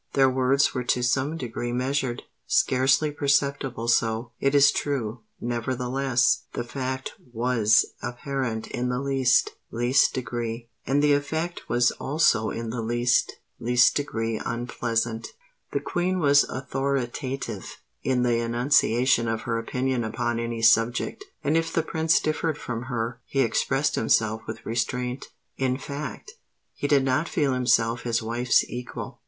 Their words were to some degree measured—scarcely perceptibly so, it is true—nevertheless, the fact was apparent in the least, least degree; and the effect was also in the least, least degree unpleasant. The Queen was authoritative in the enunciation of her opinion upon any subject; and if the Prince differed from her, he expressed himself with restraint. In fact, he did not feel himself his wife's equal.